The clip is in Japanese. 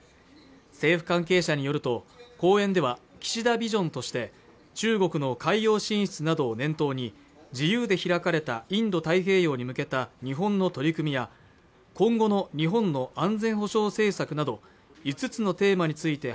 政府関係者によると講演では岸田ビジョンとして中国の海洋進出などを念頭に自由で開かれたインド太平洋に向けた日本の取り組みや今後の日本の安全保障政策など５つのテーマについて